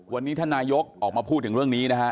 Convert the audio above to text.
วันนี้ท่านนายกออกมาพูดถึงเรื่องนี้นะฮะ